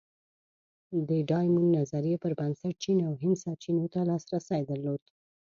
د ډایمونډ نظریې پر بنسټ چین او هند سرچینو ته لاسرسی درلود.